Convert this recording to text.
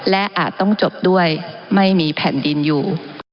และอาจต้องจบด้วยไม่มีแผ่นดินอยู่